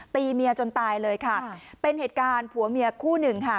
ตีเมียจนตายเลยค่ะเป็นเหตุการณ์ผัวเมียคู่หนึ่งค่ะ